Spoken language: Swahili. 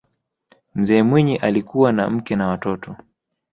mzee mwinyi alikuwa na mke na watoto